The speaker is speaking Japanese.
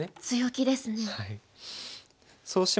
強気ですね。